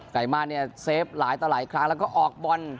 ไก่มาเนี่ยเซฟหลายต่อหลายครั้งแล้วก็ออกบอล